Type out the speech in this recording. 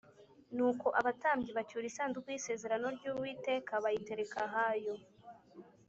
Nuko abatambyi bacyura isanduku y’isezerano ry’Uwiteka bayitereka ahayo